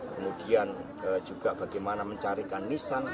kemudian juga bagaimana mencarikan nisan